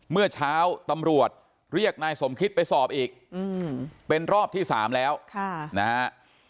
เมื่อเช้าตำรวจเรียกนายสมคิตไปสอบอีกเป็นรอบที่๓แล้วนะฮะ